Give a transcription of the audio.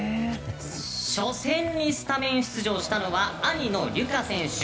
初戦にスタメン出場したのは兄のリュカ選手。